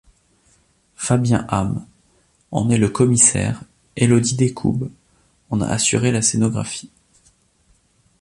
Fabien Hamm en est le commissaire, Élodie Descoubes en a assuré la scénographie.